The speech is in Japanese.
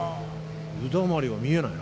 湯だまりは見えないな。